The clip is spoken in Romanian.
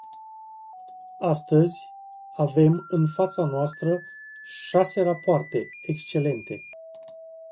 Astăzi avem în fața noastră șase rapoarte excelente.